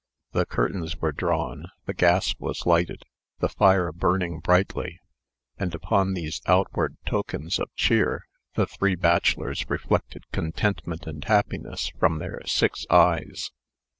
The curtains were drawn, the gas was lighted, the fire burning brightly, and, upon these outward tokens of cheer, the three bachelors reflected contentment and happiness from their six eyes.